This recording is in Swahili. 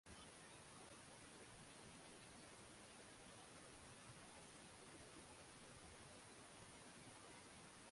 wa wilaya na jimbo la Washington vimepokea majina kutokana nayeMkwawa au kwa jina